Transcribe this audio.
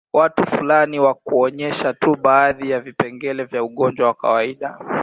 Watu fulani au kuonyesha tu baadhi ya vipengele vya ugonjwa wa kawaida